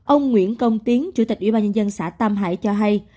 ông nguyễn công tiến chủ tịch ủy ban nhân dân xã tam hải cho hay